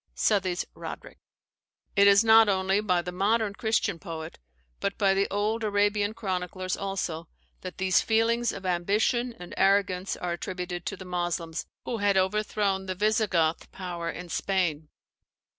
SOUTHEY'S RODERICK. It is not only by the modern Christian poet, but by the old Arabian chroniclers also, that these feelings of ambition and arrogance are attributed to the Moslems, who had overthrown the Visigoth power in Spain.